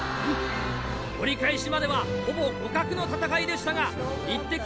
折り返しまではほぼ互角の戦いでしたがイッテＱ！